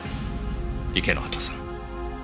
池之端さん。